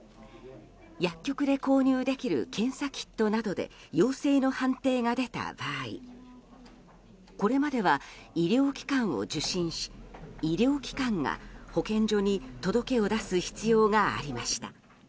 薬局で購入できる検査キットなどで陽性の判定が出た場合これまでは医療機関を受診し医療機関が保健所に届けを出す必要がありました。